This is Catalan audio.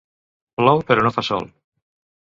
Plou però no fa sol.